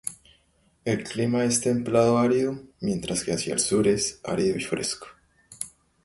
El clima es templado-árido, mientras que hacia el sur es árido y fresco.